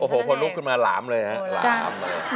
โอ้โหพอลุกขึ้นมาหลามเลยฮะหลาม